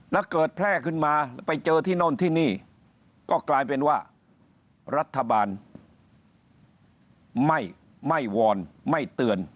แล้วเกิดแพร่ขึ้นมาไปเจอที่โน่นที่นี่ก็กลายเป็นว่ารัฐบาลไม่วอนไม่เตือน